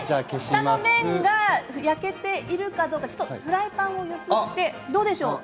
下の面が焼けているかどうかちょっとフライパンを揺すってどうでしょう？